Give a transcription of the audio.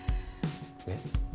えっ？